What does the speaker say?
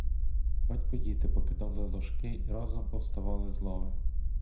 Батько й діти покидали ложки і разом повставали з лави.